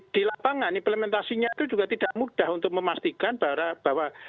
di lapangan implementasinya itu juga tidak mudah untuk memastikan bahwa